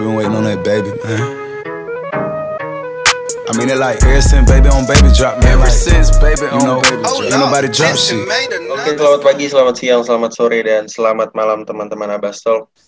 oke selamat pagi selamat siang selamat sore dan selamat malam teman teman abastol